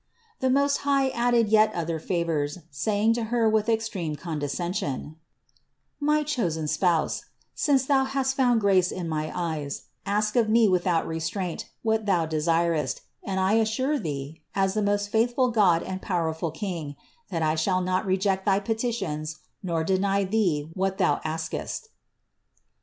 93. The Most High added yet other favors, saying to Her with extreme condescension : "My chosen Spouse, THE INCARNATION 81 since Thou hast found grace in my eyes, ask of Me with out restraint, what thou desirest, and I assure thee, as the most faithful God and powerful King, that I shall not reject thy petitions nor deny thee what thou askest."